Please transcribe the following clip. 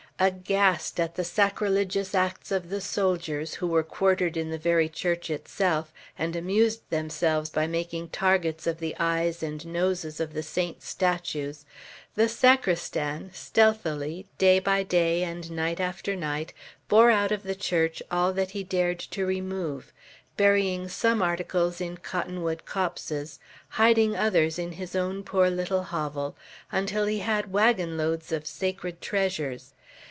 Aghast at the sacrilegious acts of the soldiers, who were quartered in the very church itself, and amused themselves by making targets of the eyes and noses of the saints' statues, the sacristan, stealthily, day by day and night after night, bore out of the church all that he dared to remove, burying some articles in cottonwood copses, hiding others in his own poor little hovel, until he had wagon loads of sacred treasures.